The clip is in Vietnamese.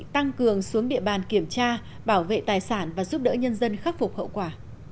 tăng cường xuống địa bàn kiểm tra bảo vệ tài sản và giúp đỡ nhân dân khắc phục hậu quả